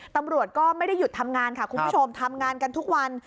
ตำรวจก็ไม่ได้หยุดทำงานค่ะคุณผู้ชมทำงานกันทุกวัน